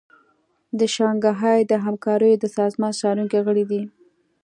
د شانګهای د همکاریو د سازمان څارونکی غړی دی